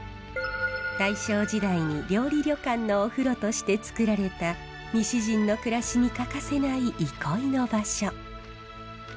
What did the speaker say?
大正時代に料理旅館のお風呂として造られた西陣の暮らしに欠かせない憩いの場所。